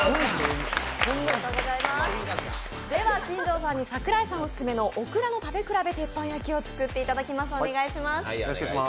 金城さんに櫻井さんオススメのオクラの食べ比べ鉄板焼きを作っていただきます、お願いします。